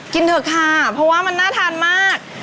เถอะค่ะเพราะว่ามันน่าทานมาก